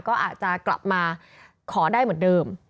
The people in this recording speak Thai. ก็อาจจะกลับมาขอได้เหมือนเดิม